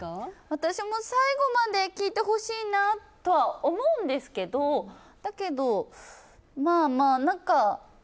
私も最後まで聞いてほしいなとは思うんですけどだけど、まあまあ。